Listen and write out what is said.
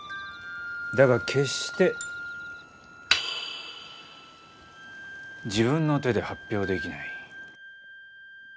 だが決して自分の手で発表できない。